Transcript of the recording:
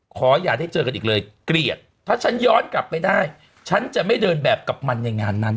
ขออย่าได้เจอกันอีกเลยเกลียดถ้าฉันย้อนกลับไปได้ฉันจะไม่เดินแบบกับมันในงานนั้น